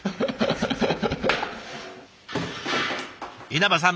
稲葉さん